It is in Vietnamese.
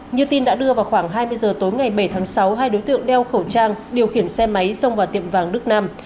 như tin đã đưa vào khoảng hai mươi giờ tối ngày bảy tháng sáu hai đối tượng đeo khẩu trang điều khiển xe máy xông vào tiệm vàng đức nam